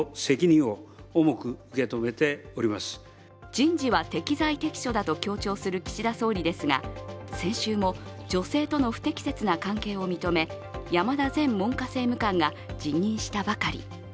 人事は適材適所だと強調する岸田総理ですが先週も女性との不適切な関係を認め山田前文科政務官が辞任したばかり。